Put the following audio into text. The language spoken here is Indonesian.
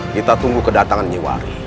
kita tunggu kedatangan nyewari